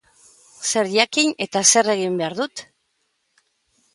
Zer jakin eta zer egin behar dut?